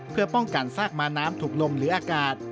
เพื่อป้องกันซากม้าน้ำถูกลมหรืออากาศ